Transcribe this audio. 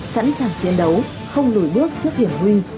sẵn sàng chiến đấu không lùi bước trước hiểm nguy